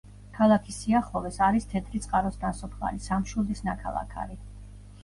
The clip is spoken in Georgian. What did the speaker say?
ქალაქის სიახლოვეს არის თეთრი წყაროს ნასოფლარი, სამშვილდის ნაქალაქარი.